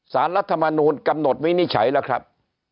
รัฐมนูลกำหนดวินิจฉัยแล้วครับ